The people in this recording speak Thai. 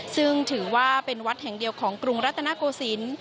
ซึ่งถือว่าเป็นวัดแห่งเดียวของกรุงรัตนโกศิลป์